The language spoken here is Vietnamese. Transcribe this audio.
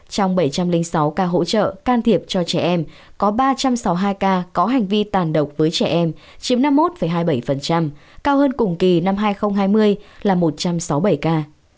trong bảy trăm linh sáu ca hỗ trợ can thiệp cho trẻ em có ba trăm sáu mươi hai ca có hành vi tàn độc với trẻ em chiếm năm mươi một hai mươi bảy cao hơn cùng kỳ năm hai nghìn hai mươi là một trăm sáu mươi bảy ca